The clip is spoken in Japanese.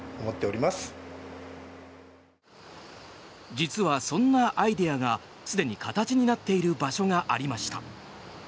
実は、そんなアイデアがすでに形になっている場所がありました。